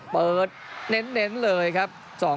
เปิดเน้นเลยครับ